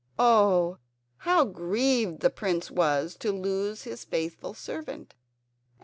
Oh! how grieved the prince was to lose his faithful servant!